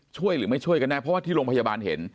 หรือไม่ช่วยกันแน่เพราะว่าที่โรงพยาบาลเห็น